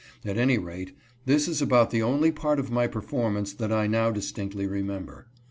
At any rate, this is about the only part of my performance that I now distinctly remember.